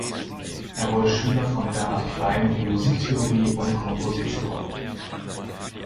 Er wurde Schüler von Bernhard Klein in Musiktheorie und Komposition.